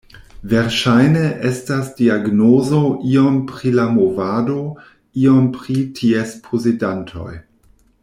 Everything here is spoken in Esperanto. Verŝajne estas diagnozo iom pri la movado, iom pri ties posedantoj.